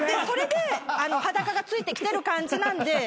それで裸がついてきてる感じなんで。